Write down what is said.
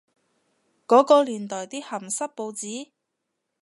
嗰個年代嘅鹹濕報紙？